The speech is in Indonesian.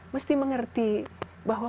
mesti mengerti bahwa